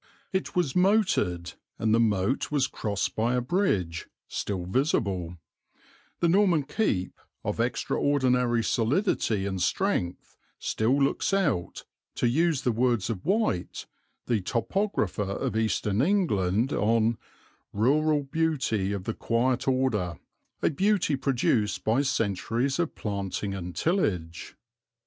It was moated, and the moat was crossed by a bridge, still visible; the Norman keep, of extraordinary solidity and strength, still looks out, to use the words of White, the topographer of Eastern England, on "rural beauty of the quiet order, a beauty produced by centuries of planting and tillage."